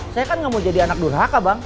saya kan gak mau jadi anak durhaka bang